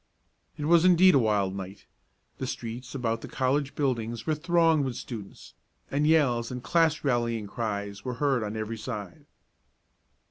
It was indeed a wild night. The streets about the college buildings were thronged with students, and yells and class rallying cries were heard on every side.